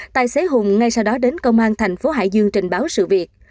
tài xế hùng ngay sau đó đến công an thành phố hải dương trình báo sự việc